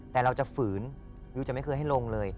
แต่เราจะฝืนยูจะไม่เคยให้ลงเลย